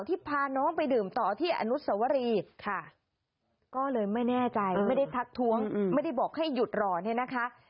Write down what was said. พาน้องไปดื่มต่อที่อนุสวรีค่ะก็เลยไม่แน่ใจไม่ได้ทักท้วงไม่ได้บอกให้หยุดรอเนี่ยนะคะ